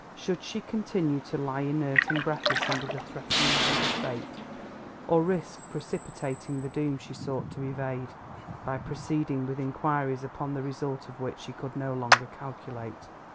Should she continue to lie inert and breathless under the threatening hand of Fate, or risk precipitating the doom she sought to evade, by proceeding with inquiries upon the result of which she could no longer calculate?